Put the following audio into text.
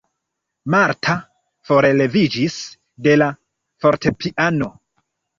Marta forleviĝis de la fortepiano.